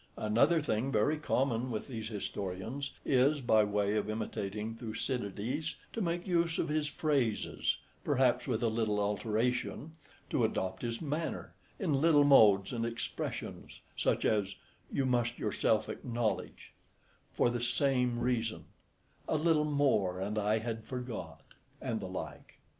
Another thing very common with these historians is, by way of imitating Thucydides, to make use of his phrases, perhaps with a little alteration, to adopt his manner, in little modes and expressions, such as, "you must yourself acknowledge," "for the same reason," "a little more, and I had forgot," and the like.